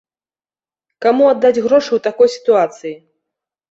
Каму аддаць грошы ў такой сітуацыі?